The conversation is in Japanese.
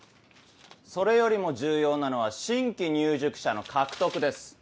それよりも重要なのは新規入塾者の獲得です。